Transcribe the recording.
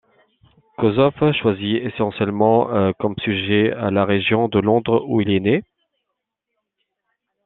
Kossoff choisi essentiellement comme sujet la région de Londres, où il est né.